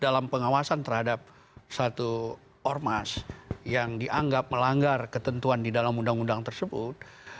dalam pengawasan terhadap satu ormas yang dianggap melanggar ketentuan di dalam undang undang tersebut